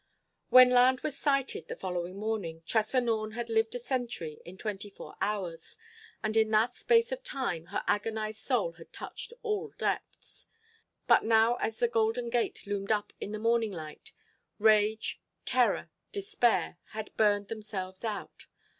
When land was sighted, the following morning, Tressa Norne had lived a century in twenty four hours. And in that space of time her agonised soul had touched all depths. But now as the Golden Gate loomed up in the morning light, rage, terror, despair had burned themselves out.